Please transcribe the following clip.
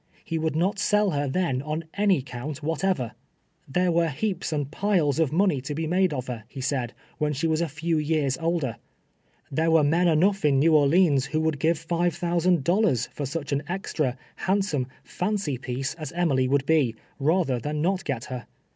lie would not sell her then on any account whatever. There were heaps and piles of money to FEEEltAIT REFUSES TO SELL EMILY. 87 ])C made of lior, lie saul, wlien she was a few years older. There were men enough in New Orleans who would give fiv^e thousand dollars for such an extra, handsome, fancy piece as Emily would be, rather than not get her.